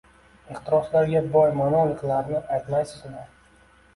Ehtiroslarga boy monologlarini aytmaysizmi.